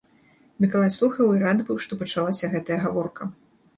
Мікалай слухаў і рад быў, што пачалася гэтая гаворка.